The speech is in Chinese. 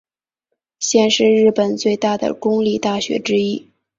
现是日本最大的公立大学之一。